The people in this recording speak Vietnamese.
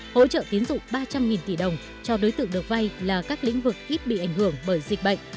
hỗ trợ tiến dụng ba trăm linh tỷ đồng cho đối tượng được vay là các lĩnh vực ít bị ảnh hưởng bởi dịch bệnh